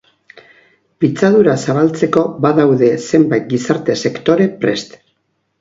Pitzadura zabaltzeko badaude zenbait gizarte sektore prest.